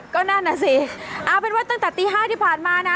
ก็นั่นน่ะสิเอาเป็นว่าตั้งแต่ตี๕ที่ผ่านมานะ